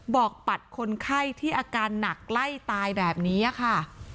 ปัดคนไข้ที่อาการหนักไล่ตายแบบนี้ค่ะ